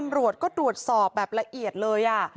ตำรวจก็กดสอบแบบละเอียดเลยอะ